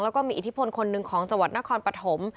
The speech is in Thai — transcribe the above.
แล้วก็มีอิทธิพลคนหนึ่งของจังหวัดนครปฐม